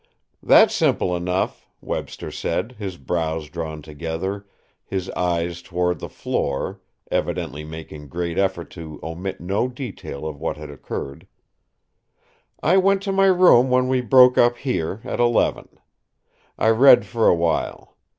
"That's simple enough," Webster said, his brows drawn together, his eyes toward the floor, evidently making great effort to omit no detail of what had occurred. "I went to my room when we broke up here, at eleven. I read for a while.